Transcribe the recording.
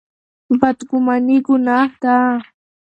بدګماني ګناه ده.